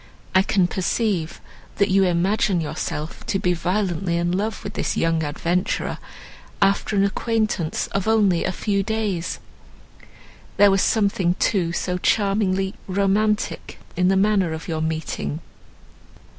I can perceive, that you imagine yourself to be violently in love with this young adventurer, after an acquaintance of only a few days. There was something, too, so charmingly romantic in the manner of your meeting!"